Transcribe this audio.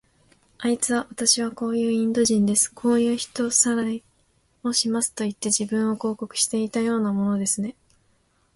あいつは、わたしはこういうインド人です。こういう人さらいをしますといって、自分を広告していたようなものですね。